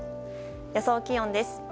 予想気温です。